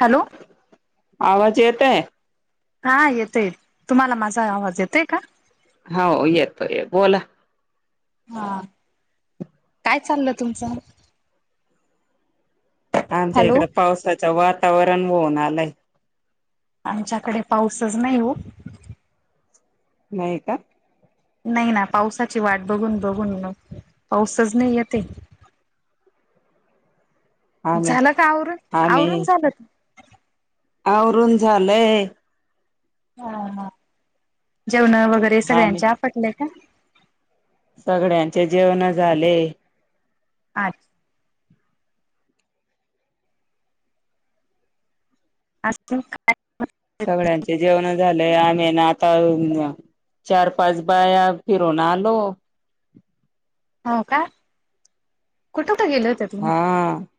Hello. आवाज येतोय? हा येतय तुम्हाला माझा आवाज येतय का? हो येतो येतो. बोला हा काय चाललं तुमचं? आमच्या हॅलो इकड पावसाचं वातावरण होऊन आलंय आमच्याकडे पाऊसच नाही हो नाही का? नाही ना पावसाची वाट बघून बघून म पाऊसच नाही येतंय आम्ही झालं का आवरून आवरून आम्ही झालं का? आवरून झालय हा हा जेवण वगैरे आम्ही सगळ्यांचे आपटलंय का? सगळ्यांचे जेवण झाले अच्छा [unintelligible] सगळ्यां जेवण झालं आम्ही ना आता चार पाच बाया फिरून आलो हो का कुठ का गेल हा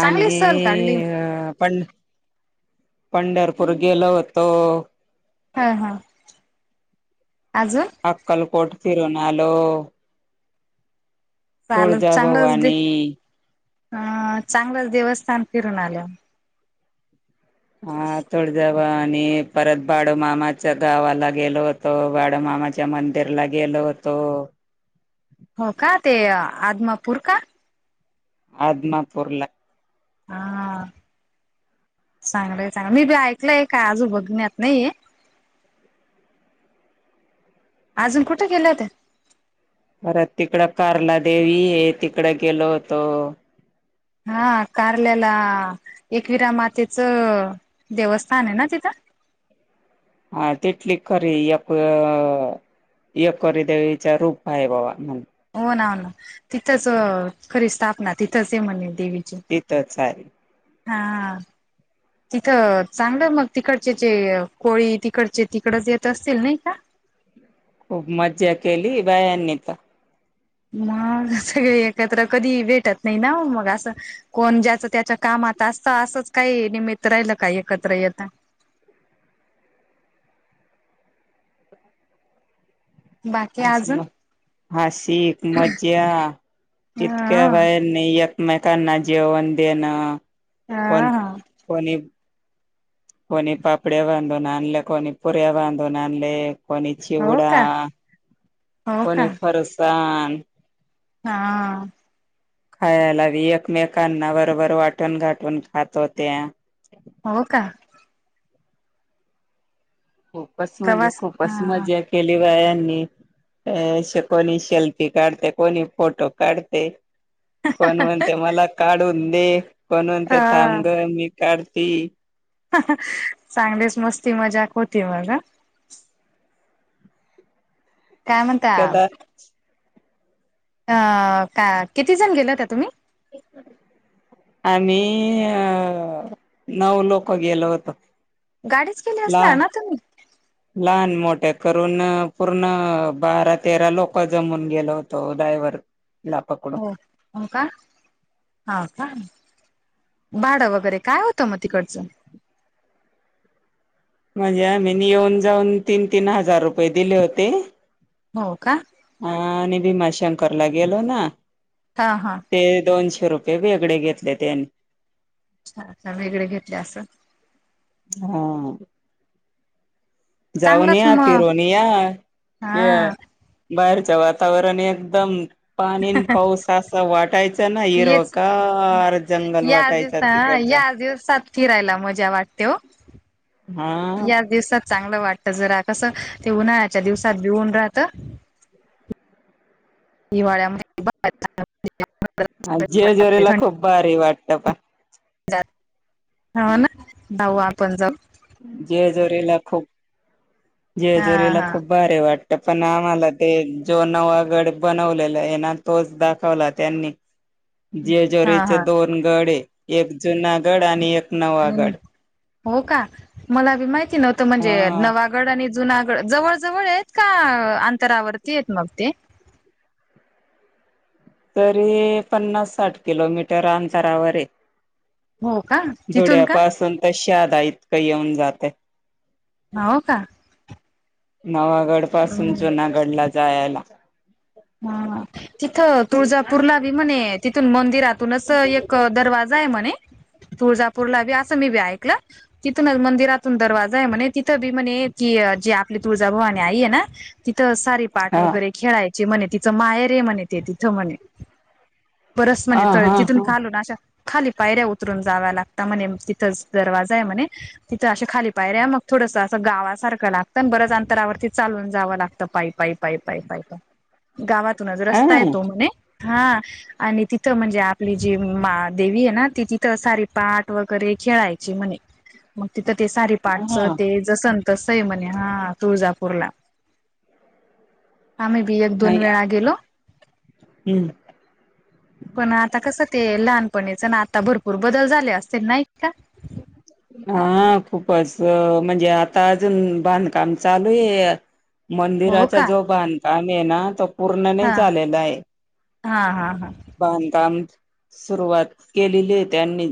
आणि सहल काढली पण पंढरपूर गेलो होतो हा हा आजून अकलकोट चालल तुळजाभवानी चांगलंच देव हा तुळजाभवानी परत बाळूमामा च्या मंदिरला गेलो होतो हो का ते आदमापूर का आदमापूर हा चांगलं चांगलं मी बी ऐकलंय का आजून बघण्यात नाहीये अजून कुठे गेल्या होत्या अरे तिकड कार्ला देेवी तिकड गेलो होतो हा कारल्याला एकविरा मातेचं देवस्थान आहे ना तिथं हा तिथली खरी एकवीरा एकवीरा देवीच रूप आहे बाबा म्हण हो ना हो ना तिथंच खरी स्थापना तिथंच आहे म्हणे देवीची तिथंच आहे हा हा तिथं चांगलं मग तिकडचे जे कोळी तिकडचे तिकडच येत असतील नाही का खूप मज्जा केली मग कोण ज्याच त्याच्या कामात असतं असंच काही निमित्त राहिल काय एकत्र येता बाकी अशी अजून मज्जा अशी एक मज्जा या इतक्या ह बायानी एकमेकांना जेवण देणं पण ह पण कोणी पापड्या बांधून आणले कोणी पुऱ्या बांधून आणले कोणी हो का चिवडा हो का कोणी फरसान हा खायला एकमेकांना बरोबर वाटून गाटून खात होत्या हो का खूपच म्हणजे प्रवास खूपच हा मजा केली बायांनी अ कोणी शेल्फी काढते कोणी फोटो काढते कोण म्हणते मला काढून दे कोण अ म्हणते थांबग मी काढती अहं चांगलेच मस्ती मजाक होती बघा काय म्हणता कदा अ का किती जण गेल्या होत्या तुम्ही आम्ही अ नऊ लोक गेलो होतो गाडीच केली असणार लहान ना तुम्ही लहान मोठे करून पूर्ण बारा तेरा लोक जमून गेलो होतो डायवर ला पकडून हो हो का हा का भाडं वगैरे काय होतं मग तिकडचं म्हणजे आमी येऊन जाऊन तीन तीन हजार रुपये दिले होते हो का हा आणि भीमाशंकर लागेलो ना हा हा. ते दोनशे रुपये वेगळे घेतले त्यांनी. अच्छा अच्छा वेगळे घेतले असन. हा. जाऊन चांगलाच या मग फिरवून या हा ते. बाहेरच वातावरण एकदम. पाणीन पाऊस असा वाटायचा ना हिरोकार जंगल वाटायचं. ह या दिवसात फिरायला मजा वाटते हो. हा. या दिवसात चांगलं वाटत जरा कसं ते उन्हाळ्याच्या दिवसात बिऊन राहत. दिवाळ्यामध्येहिती. अच्छा. ह जे जोरीला खूप भारी वाटतं पण. हो ना भाऊ आपण जाऊ. जय झुलेला खू जय हा झुलेला हा खूप. बरे वाटत पण आम्हाला ते जो नवा गड बनवलेला आहे ना तोच दाखवला त्यांनी. [inaudible] [inaudible] हा जेजुरीचे हा दोन गड एक जुना गड आणि एक. नवा आणि गड हो का मलाी माहिती नव्हतं म्हणजे हा नवागड आणि. जुनागड जवळ जवळ आहेत का अंतरावरती आहेत मग ते. तरी पन्नास साठ किलोमीटर अंतरावर आहे. हो का तिथून का धुळ्यापासून तर शादा इतकं येऊन जाते. होव का. नवागड पासून हम्म. जुनागड ला जायला. हा तिथं तुळजापूरला बी म्हणे तिथून मंदिरातूनच एक दरवाजा. जा म्हणे तुळजापूरला बी असं मी बी ऐकलं. तिथूनच मंदिरातून दरवाजा आहे म्हणे तिथं बी म्हणे की जे आपली तुळजाभवाने आहेई आहे ना. तिथं सारी पाठ हा वगैरे खेळायचे म्हणे तिथं मायरे म्हणे ते तिथं म्हणे. बरस हा म्हणजे हा तिथून खालो हा ना अशा. खाली पायऱ्या उतरून जाव्या लागत म्हणे तिथंच दरवाजा आहे म्हणे. तिथं अशे खाली पाय रे मग थोडसं असं गावासारखं लागतं बरच अंतरावरती चालून जावं लागतं पाईप वाईप. पाय पाय पाय पाय गावातूनच रस्ता हा आहे तो म्हणे हा. आणि तिथं म्हणजे आपली जी मा देवी आहे ना ती तिथं सारी पाठ वगैरे खेळायची म्हणे. मग तिथं ते सार पाठच हा ते. जस तस म्हणे हा तुळजापूरला आम्ही बिया. नाही हम्म. पण आता कसं ते लहानपणीच ना आता भरपूर बदल झाले असतील ना का. हा खूपच म्हणजे आता अजून बांधकाम चालू आहे. हो मंदिराचा का जो बांधकाम आहे ना तो पूर्ण नाही हा झालेला आहे. हा हा हा. बांधकाम सुरुवात केलेली आहे त्यांनी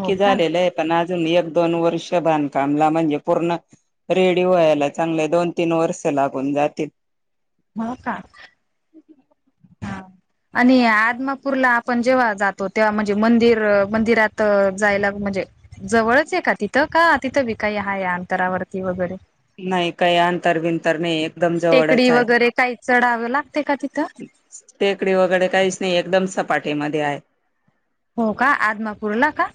हो का झालेले आहे. पण अजून एक दोन वर्ष बांधकामला म्हणजे पूर्ण. रेडी व्हायला चांगले दोन तीन वर्ष लागून जातील. हो का. ह. आणि आदमापूरला आपण जेव्हा जातो तेव्हा म्हणजे मंदिर मंदिरात जायला म्हणजे. जवळच आहे का तिथं का तिथं विकाई हा आहे अंतरावरती वगैरे. नाही काही अंतर बिंतर नाही एकदम टेकडी जवळच आहे. वगैरे काही चढावं लागते का तिथं टेकडी वगैरे काहीच नाही एकदम सपाटीमध्ये आहे. हो का आदमापूरला का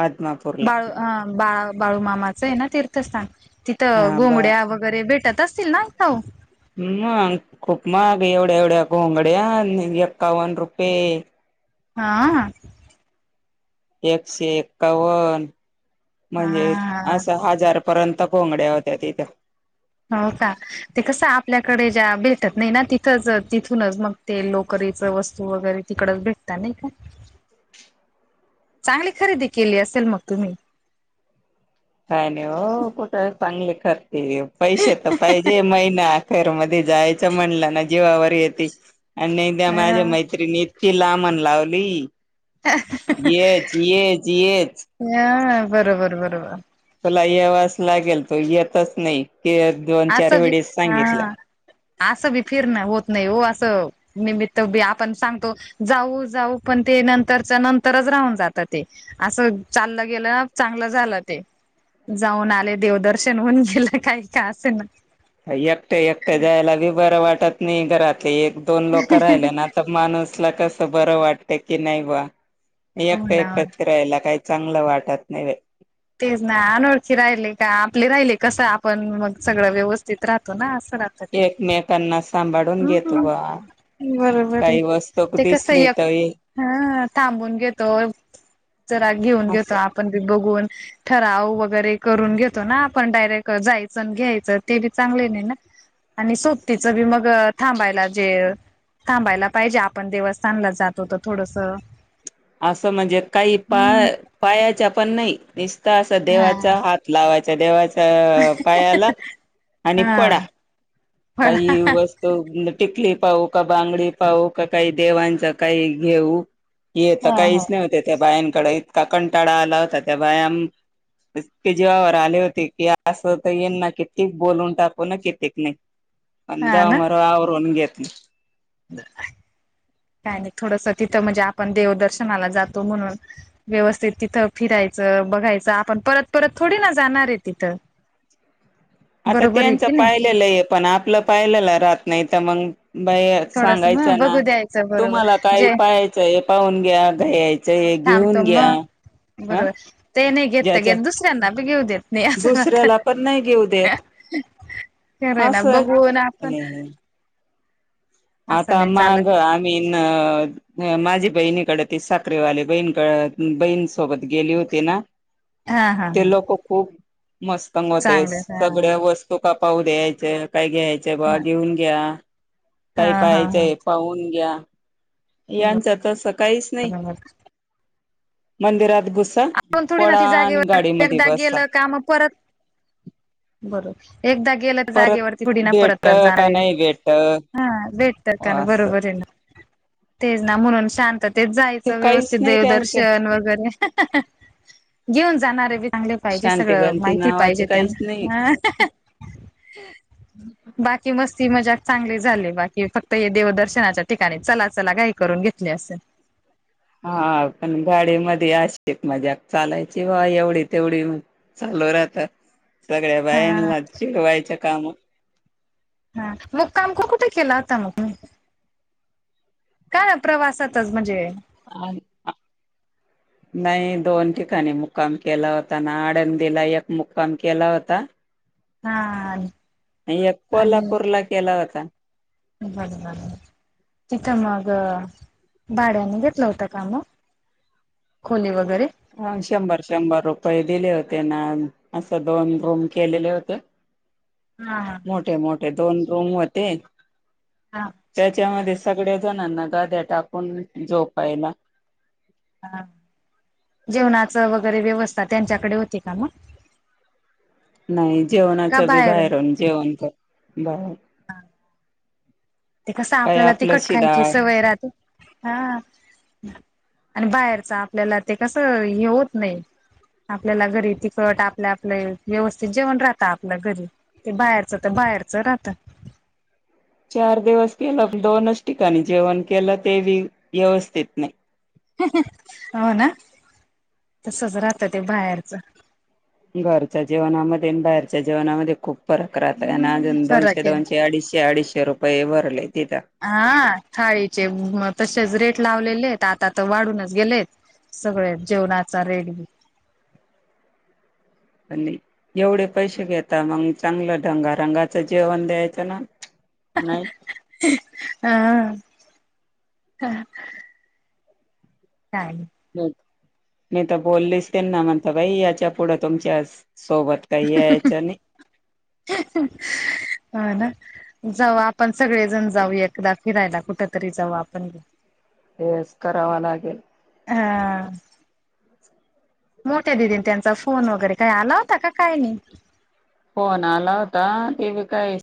आदमापूरला बाळू. बा बाळूमामाचं आहे ना तीर्थस्थान तिथं हा बर घोंगड्या वेगेर. वगैरे भेटत असतील ना इथऊ मग खूप महाग एवढ्या एवढ्या घोंगड्या एक्कावन रुपये. हां एकशे एक्कावन म्हणजे हा असा हजार पर्यंत घोंगड्या होत्या तिथं. हो का ते कसं आपल्याकडे ज्या भेटत नाही ना तिथंच तिथूनच मग ते लोकरीच वस्तू वगैरे तिकडच भेटतात नाही का. चांगली खरेदी केली असेल मग तुम्ही. काय नाही हो कुठे चांगले खरेदी पैसे तर पाहिजे महिना अखेरमध्ये. जायच म्हणलं ना जीवावर येत आणि त्या हा माझ्या मैत्रणी. ति लामण लावली येत येत येत ह बरोबर बरोबर तुला यावाच लागेल तू येतच नाही दोन चार असं बी वेळेस सांगितलं. हा. असं बी फिरण होत नाही हो असं. निमित्त आपण सांगतो जाऊ जाऊ पण ते नंतरच्या नंतरच राहून जात ते. असं चाललं गेलं ना चांगलं झालं ते. जाऊन आले देवदर्शन होऊन गेलं काही का असं ना. एकट्या एकट्या जायला बी बरं वाटत नाही घरातले एक दोन लोक राहिले ना. माणूसला कस बरं वाटत की नाही बा मी हो एकटं ना एकटच फीरायला काही. चांगलं वाटत नाही. तेच नाही अनोळखी राहिले का आपले राहिले कसं आपण मग सगळं व्यवस्थित राहतो ना असं राहतो. एकमेकांना सांभाळून घेतो बा. बरोबर आहे काही वस्तू ते कसं दिसली य तर हे. हा थांबून घेतो जरा घेऊन घेतो असं आपण बी बघून. ठराव वगैरे करून घेतो ना आपण डायरेक्ट जायचं घ्यायचं ते बी चांगले नाही ना. आणि सोब तचं बी मग थांबायला जे. थांबायला पाहिजे आपण देवस्थानला जातोत थोडस. असं म्हणजे काही हम्म पाय पायाच्या पण नाही निस्ता अस हा देवाचा हात लावाच्या देवाच्या पायाला आणि पडा. हा फळ हा काहीस् तो टिकली पाहू का बांगडी पाहू का काही देवांचा काही घेऊ. तर हा काहीच नाही होते त्या बायांकडे इतका कंटाळा आला होता त्या बायां इक जीवावर आले होते की असं तर येनना कित्येक बोलून टाकू ना कित्येक नाही. हा पंजाव ना मार आवरून घेतली. काय आणि थोडस तिथं म्हणजे आपण देवदर्शनाला जातो म्हणून. व्यवस्थित तिथं फिरायचं बघायचं आपण परत परत थोडी ना जाणार आहे तिथं. [inaudible] आता आहे त्यांचं की नाही पाहिलेलं आहे पण आपलं पाहिलेलं राहत नाही तर मग बा थोडस सांगायच मग ना बघू द्यायचं बरोबर तुम्हाला काय जे पाहायचं हे पाहून घ्या आम्ही घ्यायचं. घेऊन थांबतो घ्या मग हा बरोबर ते नाही घेत ज्याच्या घेत दुसऱ्यांना बी घेऊ देत नाही असं वाटत. दुसऱ्याला पण नाही घेऊ देत खरय ना असं बघुना आपण. हम्म. आता असं नाही मग चालत आ मीन माझी बहिणीकडे ते साखरवाले बहिणकडे बहीणसोबत गेली होती ना. हा हा ते हा लोक खूप मस्त मधे होते चांगलं सगळ्या हा वस्तू चु का पाह द्यायचं काय घ्यायचं बा घेऊन घ्या. हा काही हा हा पाहाचंय पाहून घ्या यांच्या तस काहीच नाही बरोबर मंदिरात घुस आपण थोडी ना त जागेवर एकदा बसा गेलं का मग परत. बरोबर एकदा गेल - परत जागेवरती थोडी ना परत भेटत परत का जाणारे नाही भेटत हा भेटत तर हा असं बरोबर आहे ना तेच ना म्हणून शांततेत ते जायचं काहीच व्यवस्थित नाही त्यांचं देवदर्शन वगैरे घेऊन जाणार आहे बी - चांगले पाहिजे शांती सगळं गंती माहिती नावाचे पाहिजे काहीच नाही त्यांना ह [inaudible] बाकी मस्ती मजाक चांगली झाली बाकी फक्त हे देवदर्शनाच्या ठिकाणी चला चला घाई करून घेतली असे हा पण गाडी मध्ये अशी मजाक चालायची व एवढी तेवढी - चालू राहतात सगळ्या हा बायांना चिडवाय च काम हा मग काम पण कुठ केलं आता मग मी का ना प्रवासातच म्हणजे [inaudible] [inaudible] नाही दोन ठिकाणी मुक्काम केला होता ना आळंदीला एक मुक्काम केला होता हा एक कोल्हापूर ला केला होता बर झाल तिथं मग भाड्यानी घेतलं होतं का म खोली वगैरे हा शंभर शंभर रुपये दिले होते ना असं दोन रूम केलेले होते हा मोठे मोठे दोन रूम होते हा त्याच्यामध्ये सगळ्या जणांना गाद्या टाकून झोपायला हा जेवणाच वगैरे व्यवस्था त्यांच्याकडे होती का मग नाही जेवणाच बी बाहेरून जेवण कर बाहेर ते कस काय आपल्याला ती आपलं खट शिदा खायची सवय राहते हा आणि बाहेरचा आपल्याला ते कसं हे होत नाही आपल्याला घरी तिखट आपल्या आपले व्यवस्थित जेवण राहत आपल्या घरी ते बाहेरच तर बाहेरचं राहत चार दिवस केलं दोनच ठिकाणी जेवण केलं ते बी व्यवस्थित नाही [unintelligible] हो ना तसच राहत ते बाहेरच घरच्या जेवणामध्ये आणि बाहेरच्या जेवणामध्ये खूप फरक राहत आणि अजून दोनशे फरक आहे दोनशे अडीचशे अडीचशे रुपये भरले तिथं हा थाळीचे म तसेच रेट लावलेले आता तर वाढूनच गेलेत सगळे जेवणाचा रेट [inaudible] एवढे पैसे घेता मग चांगलं ढंगा रंगाचं जेवण द्यायचं ना नाही हा [inaudible] [unintelligible] मी तर बोललीच तेना म्हणता बाई याच्या पुढं तुमच्या सोबत काही यायचं नही हो ना जाऊ आपण सगळेजण जाऊ एकदा फिरायला कुठ तरी जाऊ आपण बी तेच करावा लागेल हा मोठ्या दिदीने त्यांचा फोन वगैरे काही आला होता का काही नाही फोन आला होता ते बी काय